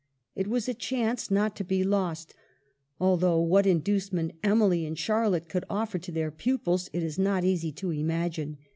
It was a chance not to be lost, although what inducement Emily and Charlotte could offer to their pupils it is not easy to imagine.